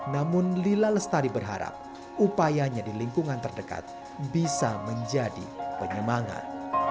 namun lila lestari berharap upayanya di lingkungan terdekat bisa menjadi penyemangat